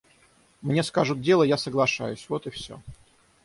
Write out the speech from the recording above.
Мне скажут дело, я соглашаюсь, вот и все.